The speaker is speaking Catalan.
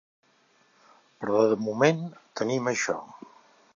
Però de moment, tenim això.